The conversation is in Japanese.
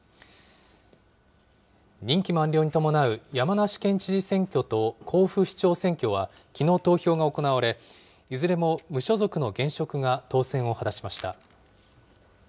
任期満了に伴う山梨県知事選挙と甲府市長選挙は、きのう投票が行われ、いずれも無所属の現職が当選を果たしました。